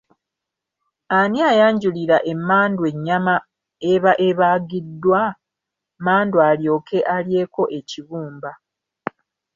Ani ayanjulira emmandwa ennyama eba ebaagiddwa, mmandwa alyoke alyeko ekibumba?